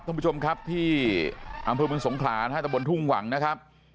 ท่านผู้ชมครับที่อำเภอเมืองสงขลานะฮะตะบนทุ่งหวังนะครับ